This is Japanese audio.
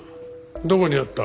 どこにあった？